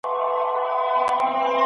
سم نیت ستړیا نه خپروي.